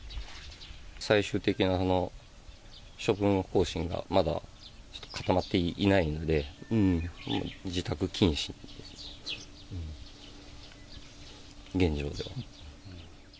最終的な処分方針がまだちょっと固まっていないので、自宅謹慎、現状では。